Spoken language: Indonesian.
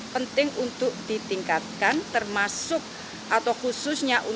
penting untuk ditingkatkan termasuk atau khususnya untuk